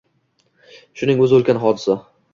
Shuning o‘zi ulkan hodisa.